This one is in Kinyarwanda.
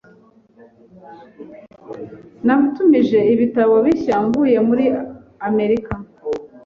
Natumije ibitabo bishya mvuye muri Amerika.